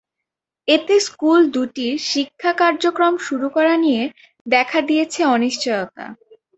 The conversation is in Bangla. এতে স্কুল দুটির শিক্ষা কার্যক্রম শুরু করা নিয়ে দেখা দিয়েছে অনিশ্চয়তা।